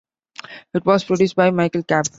It was produced by Michael Kapp.